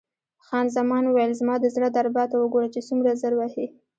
خان زمان وویل: زما د زړه دربا ته وګوره چې څومره زر وهي.